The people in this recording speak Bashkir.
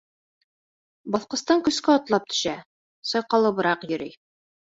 Баҫҡыстан көскә атлап төшә, сайҡалыбыраҡ йөрөй.